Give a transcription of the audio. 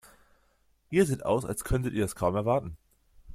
Ihr seht aus, als könntet ihr es kaum erwarten.